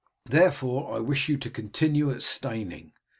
Therefore, I wished you to continue at Steyning.